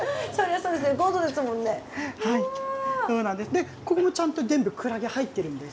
でここもちゃんと全部クラゲ入っているんです。